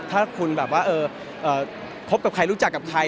ถ้าคุณแบบว่าคบกับใครรู้จักกับใคร